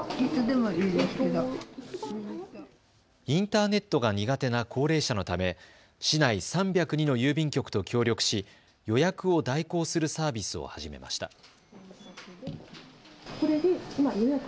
インターネットが苦手な高齢者のため市内３０２の郵便局と協力し予約を代行するサービスを始めました。